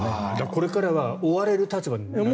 これからは追われる立場に。